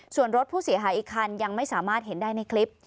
ส่วนรถผู้เสียหายอีกคันยังไม่สามารถเห็นได้ในคลิป